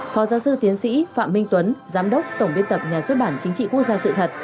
phó giáo sư tiến sĩ phạm minh tuấn giám đốc tổng biên tập nhà xuất bản chính trị quốc gia sự thật